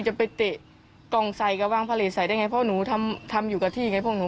จะไปเตะกองไสกับวางพระเหรษัยได้ไงเพราะหนูทำทำอยู่กับที่ไงพวกหนู